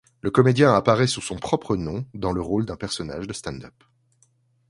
Le comédien apparaît sous son propre nom dans le rôle d'un personnage de stand-up.